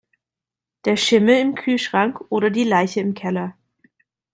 Der Schimmel im Kühlschrank oder die Leiche im Keller.